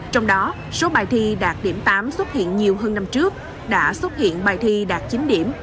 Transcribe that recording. trong đó số bài thi đạt điểm tám xuất hiện nhiều hơn năm trước đã xuất hiện bài thi đạt chín điểm